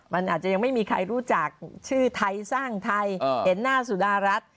มันอาจจะยังไม่มีใครรู้จักชื่อไทยสร้างไทยเห็นหน้าสุดารัฐ